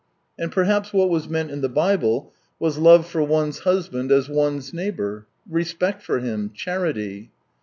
And perhaps what was meant in the Bible was lov^e for one's husband as one's neighbour, respect for him, charity.